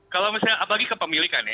kalau misalnya apalagi kepemilikan ya